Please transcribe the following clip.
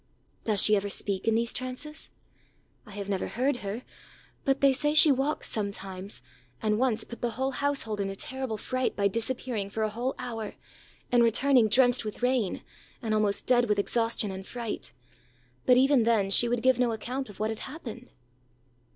ã ãDoes she ever speak in these trances?ã ãI have never heard her; but they say she walks sometimes, and once put the whole household in a terrible fright by disappearing for a whole hour, and returning drenched with rain, and almost dead with exhaustion and fright. But even then she would give no account of what had happened.